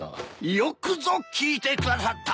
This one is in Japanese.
よくぞ聞いてくださった！